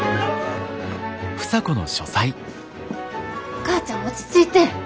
お母ちゃん落ち着いて！